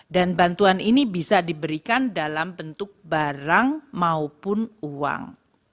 dan bantuan ini bisa diberikan dalam bentuk barang maupun uang